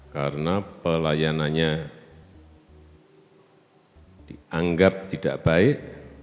karena pelayanannya dianggap tidak baik